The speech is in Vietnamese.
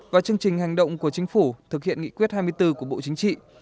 và chương trình hành động của chính phủ thực hiện nghị quyết hai mươi bốn của bộ chính trị